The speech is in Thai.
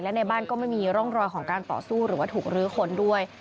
และในบ้านก็ไม่มีร่องรอยของการต่อสู้หรือว่าถูกลื้อค้นด้วย